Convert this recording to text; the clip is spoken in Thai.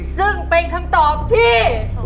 ซึ่งเป็นคำตอบที่